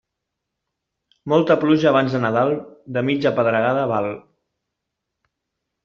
Molta pluja abans de Nadal, de mitja pedregada val.